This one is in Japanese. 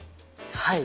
はい！